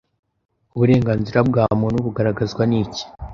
Uburenganzira bwa muntu bugaragazwa n’iki